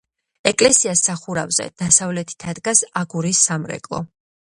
ეკლესიას სახურავზე, დასავლეთით ადგას აგურის სამრეკლო.